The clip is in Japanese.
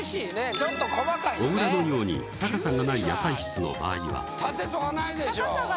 ちょっと細かいよね小倉のように高さがない野菜室の場合は立てとかないでしょ